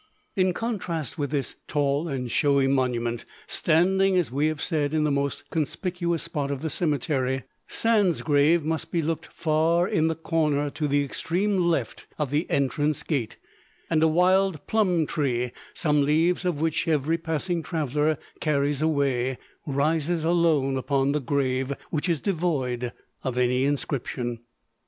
In contrast with this tall and showy monument, standing, as we have said, in the most conspicuous spot of the cemetery, Sand's grave must be looked far in the corner to the extreme left of the entrance gate; and a wild plum tree, some leaves of which every passing traveller carries away, rises alone upon the grave, which is devoid of any inscription.